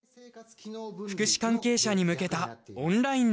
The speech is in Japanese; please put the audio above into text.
福祉関係者に向けたオンラインの勉強会。